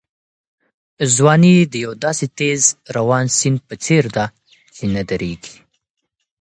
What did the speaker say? ځواني د یو داسې تېز روان سیند په څېر ده چې نه درېږي.